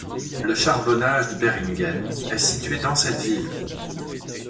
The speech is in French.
Le charbonnage de Beringen est situé dans cette ville.